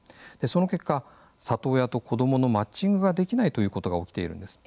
その結果里親と子どものマッチングができないということが起きているんです。